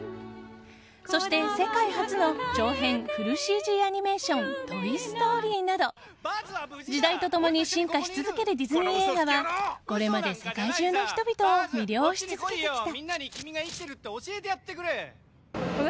そして、世界初の長編フルＣＧアニメーション「トイ・ストーリー」など時代と共に進化し続けるディズニー映画はこれまで世界中の人々を魅了し続けてきた。